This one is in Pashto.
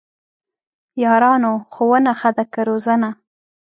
یارانو ! ښوونه ښه ده که روزنه؟!